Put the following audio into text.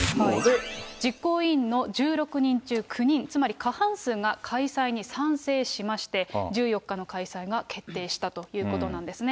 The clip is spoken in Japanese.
実行委員の１６人中９人、つまり過半数が開催に賛成しまして、１４日の開催が決定したということなんですね。